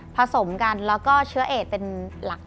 สมกันแล้วก็เชื้อเอดเป็นหลัก